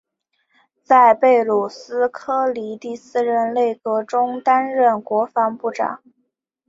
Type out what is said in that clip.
在贝鲁斯柯尼第四任内阁中担任国防部长。